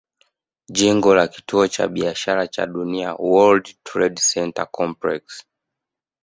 Jengo la Kituo cha Biashara cha Dunia World Trade Center complex